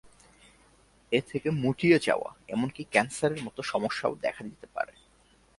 এ থেকে মুটিয়ে যাওয়া, এমনকি ক্যানসারের মতো সমস্যাও দেখা দিতে পারে।